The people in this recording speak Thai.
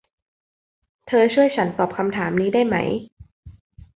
เธอช่วยฉันตอบคำถามนี้ได้ไหม